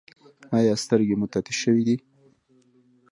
ایا سترګې مو تتې شوې دي؟